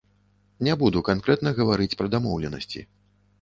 Не буду канкрэтна гаварыць пра дамоўленасці.